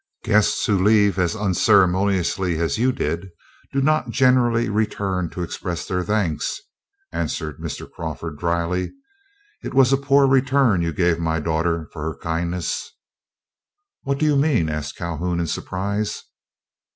"Guests who leave as unceremoniously as you did do not generally return to express their thanks," answered Mr. Crawford, dryly. "It was a poor return you gave my daughter for her kindness." "What do you mean?" asked Calhoun, in surprise.